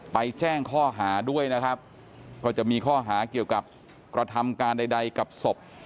แจ้งข้อหาด้วยนะครับก็จะมีข้อหาเกี่ยวกับกระทำการใดกับศพ